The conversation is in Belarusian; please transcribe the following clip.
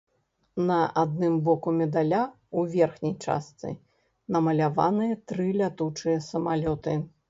На адным боку медаля ў верхняй частцы намаляваныя тры лятучыя самалёты.